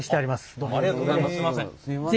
どうもありがとうございますすいません。